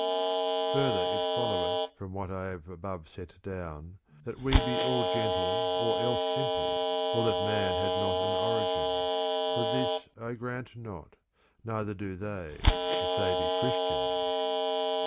Further it followeth from what I have above set down, That we be all gentle or else simple, or that man had not an origin : but this I grant not, neither do they, if they be Christians.